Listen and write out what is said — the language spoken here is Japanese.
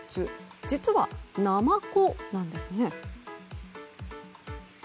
実は、ナマコなんですね。